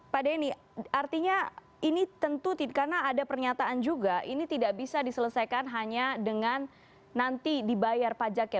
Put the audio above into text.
pak denny artinya ini tentu karena ada pernyataan juga ini tidak bisa diselesaikan hanya dengan nanti dibayar pajaknya